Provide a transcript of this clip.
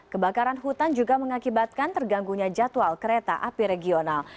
kebakaran hutan juga mengakibatkan terganggunya jadwal kereta api regional